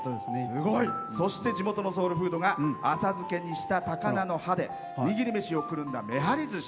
そして、地元のソウルフードが浅漬けにした高菜の葉で握り飯を作っためはりずし。